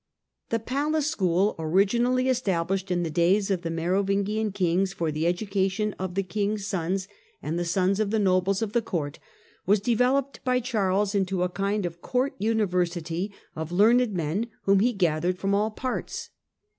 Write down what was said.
The Palace School, originally established in the days of the Merovingian kings for the education of the kings' sons and the sons of the nobles of the court, was de veloped by Charles into a kind of court university of learned men whom he gathered from all parts.